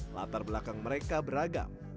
latar belakang mereka beragam